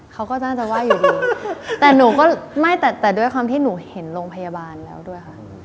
เขาก็อาจจะไหว้อยู่ดีแต่ด้วยความที่หนูเห็นโรงพยาบาลแล้วด้วยค่ะ